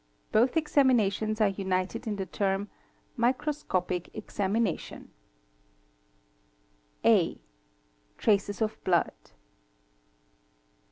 Both examinations are united in the term ' microscopic examination.' | 1 A. Traces of blood.